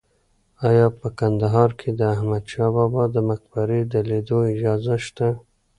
ایا په کندهار کې د احمد شاه بابا د مقبرې د لیدو اجازه شته؟